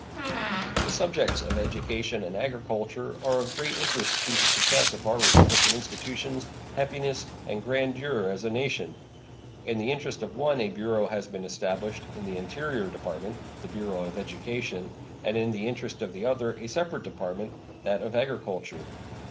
The subjects of education and agriculture are of great interest to the success of our republican institutions, happiness, and grandeur as a nation. In the interest of one a bureau has been established in the Interior Department the Bureau of Education; and in the interest of the other, a separate Department, that of Agriculture.